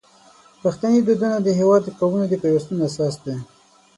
پښتني دودونه د هیواد د قومونو د پیوستون اساس دی.